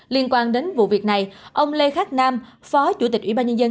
liên quan đến vụ việc này ông lê khắc nam phó chủ tịch ủy ban nhân dân